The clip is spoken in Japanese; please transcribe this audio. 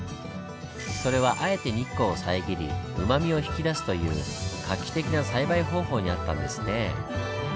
それはあえて日光を遮りうまみを引き出すという画期的な栽培方法にあったんですねぇ。